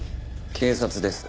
警察です。